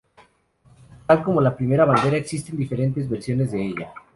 Tal como la primera bandera, existen diferentes versiones de ella.